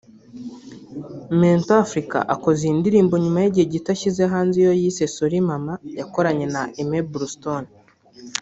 Mento Africa akoze iyi ndirimbo nyuma y'igihe gito ashyize hanze iyo yise 'Sorry Mama' yakoranye na Aimebluestone